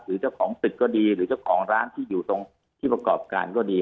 เจ้าของตึกก็ดีหรือเจ้าของร้านที่อยู่ตรงที่ประกอบการก็ดี